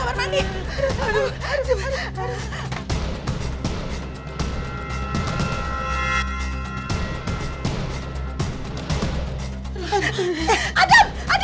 aduh mami juga takut